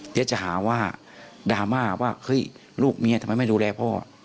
เดี๋ยวจะหาว่าดราม่าว่าเฮ้ยลูกเมียทำไมไม่ดูแลพ่อ